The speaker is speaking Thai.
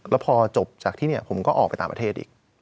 แล้วพอจบจากที่นี่ผมก็ออกไปต่างประเทศอีก